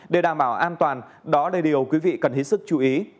để đảm bảo an toàn đó là điều quý vị cần hết sức chú ý